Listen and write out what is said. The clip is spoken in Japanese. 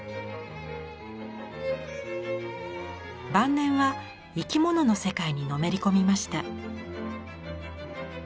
晩年は生き物の世界にのめり込みました。